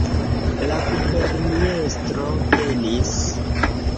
La guberniestro venis!